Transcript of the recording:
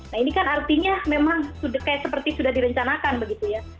nah ini kan artinya memang seperti sudah direncanakan begitu ya